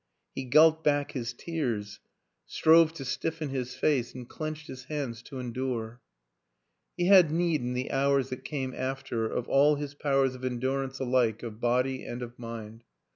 He gulped back his tears, strore 120 WILLIAM AN ENGLISHMAN to stiffen his face and clenched his hands to en dure. He had need in the hours that came after of all his powers of endurance alike of body and of mind.